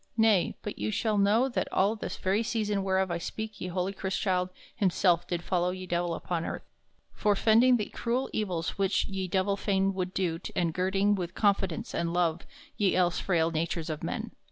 Nay, but you shall know that all this very season whereof I speak ye holy Chrystchilde himself did follow ye Divell upon earth, forefending the crewel evills which ye Divell fain wolde do and girding with confidence and love ye else frail natures of men.